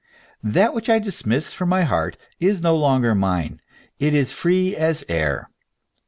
That which I dismiss from my heart is no longer mine, it is free as air.